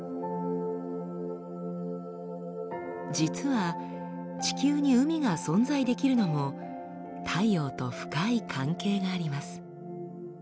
実は地球に海が存在できるのも太陽と深い関係があります。